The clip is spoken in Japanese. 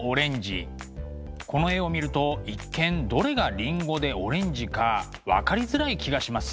この絵を見ると一見どれがりんごでオレンジか分かりづらい気がします。